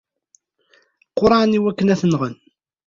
Qurɛen iwakken ad t-nɣen.